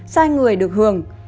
sai người được hưởng